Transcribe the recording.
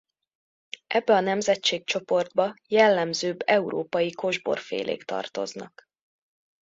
Ebbe a nemzetségcsoportba jellemzőbb európai kosborfélék tartoznak.